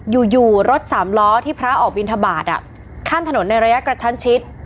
อยู่อยู่รถสามล้อที่พระออกบินทบาทข้ามถนนในระยะกระชั้นชิด